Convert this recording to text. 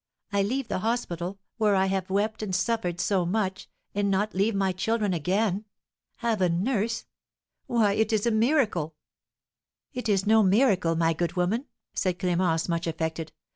I leave the hospital, where I have wept and suffered so much, and not leave my children again! Have a nurse! Why, it is a miracle!" "It is no miracle, my good woman," said Clémence, much affected.